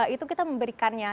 itu kita memberikannya